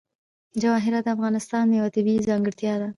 جواهرات د افغانستان یوه طبیعي ځانګړتیا ده.